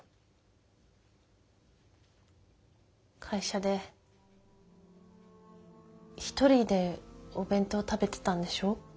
会社で一人でお弁当食べてたんでしょ？